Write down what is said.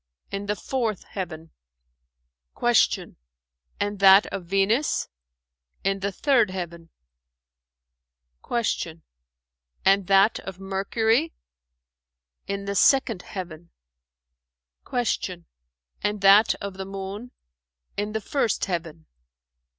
"In the fourth heaven." Q "And that of Venus?" "In the third heaven." Q "And that of Mercury?" "In the second heaven." Q "And that of the Moon?" "In the first heaven."